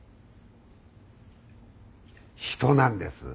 人なんです。